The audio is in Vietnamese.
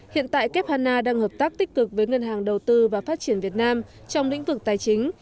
hiện tại kép hà na đang hợp tác tích cực với ngân hàng đầu tư và phát triển việt nam trong lĩnh vực tài chính